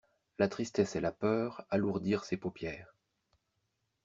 La tristesse et la peur alourdirent ses paupières.